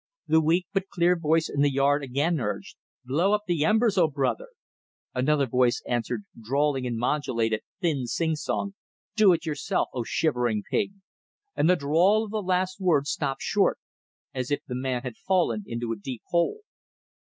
The weak but clear voice in the yard again urged, "Blow up the embers, O brother!" Another voice answered, drawling in modulated, thin sing song, "Do it yourself, O shivering pig!" and the drawl of the last words stopped short, as if the man had fallen into a deep hole.